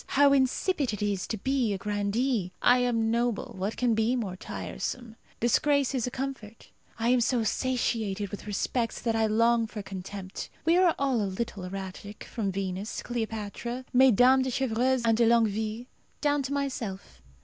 How insipid it is to be a grandee! I am noble; what can be more tiresome? Disgrace is a comfort. I am so satiated with respect that I long for contempt. We are all a little erratic, from Venus, Cleopatra, Mesdames de Chevreuse and de Longueville, down to myself.